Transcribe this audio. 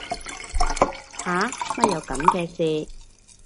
吓乜有噉嘅事